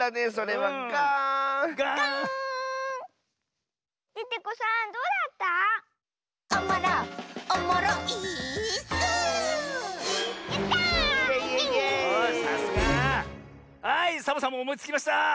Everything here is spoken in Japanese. はいサボさんもおもいつきました！